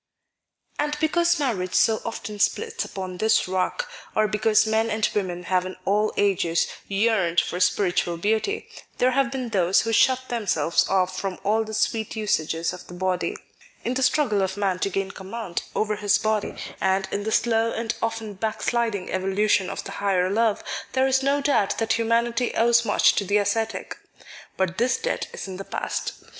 AND because marriage so often splits upon this rock, or because men and women have in all ages yearned for spiritual beauty, there have been those who shut themselves off from all the sweet usages of the body. In the struggle of man to gain command over his body, and in the slow and often backsliding evolution of the higher love, there is no doubt that humanity owes much to the ascetic. But this debt is in the past.